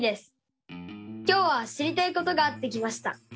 今日は知りたいことがあって来ました。